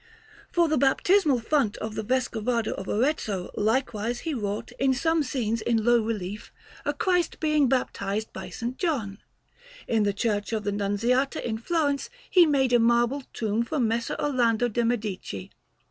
For the baptismal font of the Vescovado of Arezzo, likewise, he wrought, in some scenes in low relief, a Christ being baptized by S. John. In the Church of the Nunziata in Florence he made a marble tomb for Messer Orlando de' Medici.